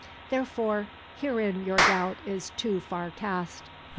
Therefore herein your doubt is too far cast."